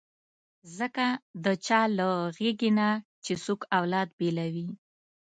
ځکه د چا له غېږې نه چې څوک اولاد بېلوي.